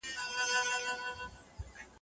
نایله د پښتو ادبیاتو محصله وه.